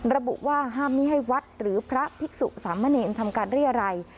ระบุว่าห้ามไม่ให้วัดหรือพระภิกษุสามเณรทำการเรียรัย